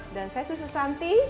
dan saya susu santi